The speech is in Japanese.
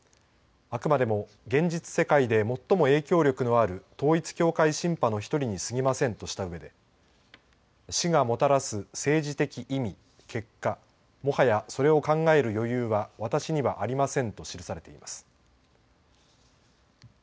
あくまでも現実世界で最も影響力のある統一教会シンパの１人にすぎませんとしたうえで政治的意味結果、もはやそれを考える余裕は私にはありませんと記されています。